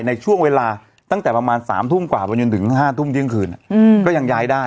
ในช่วงเวลาตั้งแต่ประมาณ๓ทุ่มกว่าไปจนถึง๕ทุ่มเที่ยงคืนก็ยังย้ายได้